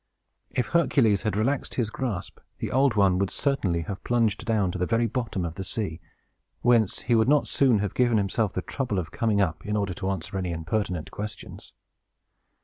If Hercules had relaxed his grasp, the Old One would certainly have plunged down to the very bottom of the sea, whence he would not soon have given himself the trouble of coming up, in order to answer any impertinent questions.